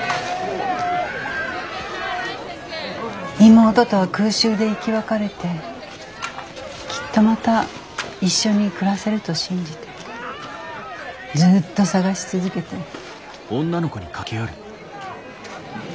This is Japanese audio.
妹と空襲で生き別れてきっとまた一緒に暮らせると信じてずっと捜し続けて。とも！